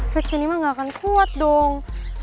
fix ini mah gak akan kuat dong